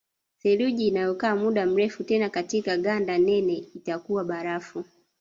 Theluji inayokaa muda mrefu tena katika ganda nene itakuwa barafu